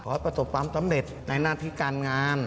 ให้ประสบความสำเร็จในหน้าที่การงาน